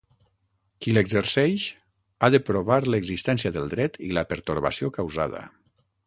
Qui l'exerceix ha de provar l'existència del dret i la pertorbació causada.